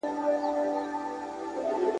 په زرګونو به تر تېغ لاندي قتلیږي !.